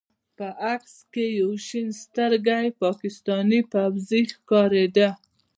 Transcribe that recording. په عکس کښې يو شين سترګى پاکستاني فوجي ښکارېده.